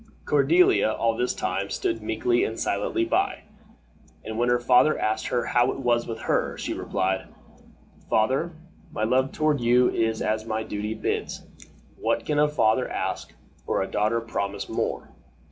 Cordiella, all this time, stood meekly and silently by, and when her father asked her how it was with her, she replied, "Father, my love toward you is as my duty bids. What can a father ask, or a daughter promise more?